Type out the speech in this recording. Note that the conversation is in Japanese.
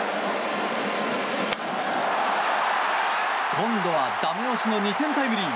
今度は駄目押しの２点タイムリー。